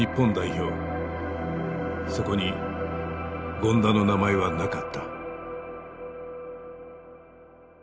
そこに権田の名前はなかった。